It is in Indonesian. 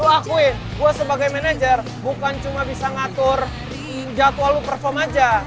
akuin gue sebagai manajer bukan cuma bisa ngatur jadwal lu perform aja